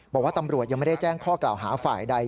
บอกว่าตำรวจยังไม่ได้แจ้งข้อกล่าวหาฝ่ายใด